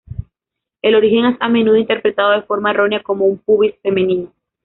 El origen es a menudo interpretado de forma errónea como un pubis femenino.